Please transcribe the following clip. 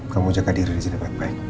kamu jaga diri di sini baik baik